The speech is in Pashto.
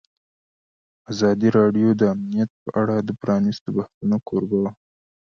ازادي راډیو د امنیت په اړه د پرانیستو بحثونو کوربه وه.